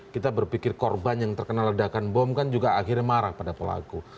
kita berpikir korban yang terkena ledakan bom kan juga akhirnya marah pada pelaku